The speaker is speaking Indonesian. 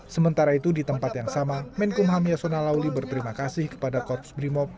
sementara itu di tempat yang sama menkumham yasona lauli berterima kasih kepada korps brimob